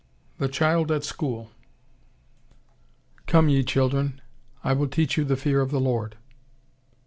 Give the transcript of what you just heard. THE CHILD AT SCHOOL "Come, ye children I will teach you the fear of the Lord."